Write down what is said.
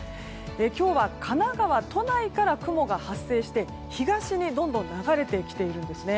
今日は神奈川、都内から雲が発生して東にどんどん流れてきているんですね。